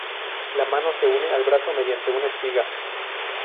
La mano se une al brazo mediante una espiga.